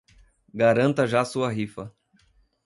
Garanta já sua rifa